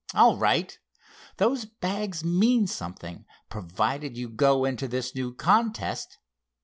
All right! Those bags mean something—provided you go into this new contest.